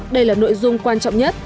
đây là nội dung quan trọng nhất